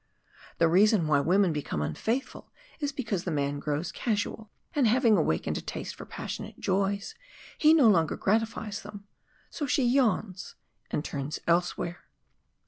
The reason why women become unfaithful is because the man grows casual, and having awakened a taste for passionate joys, he no longer gratifies them so she yawns and turns elsewhere."